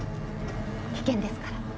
危険ですから。